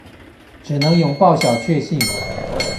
只能擁抱小卻幸